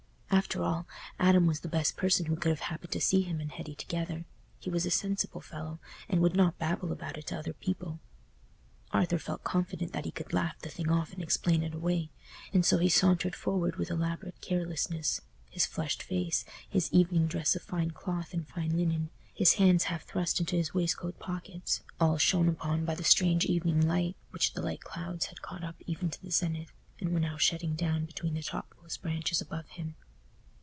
After all, Adam was the best person who could have happened to see him and Hetty together—he was a sensible fellow, and would not babble about it to other people. Arthur felt confident that he could laugh the thing off and explain it away. And so he sauntered forward with elaborate carelessness—his flushed face, his evening dress of fine cloth and fine linen, his hands half thrust into his waistcoat pockets, all shone upon by the strange evening light which the light clouds had caught up even to the zenith, and were now shedding down between the topmost branches above him.